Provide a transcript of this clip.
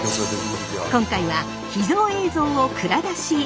今回は秘蔵映像を蔵出し！